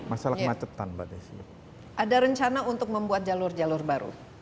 ada rencana untuk membuat jalur jalur baru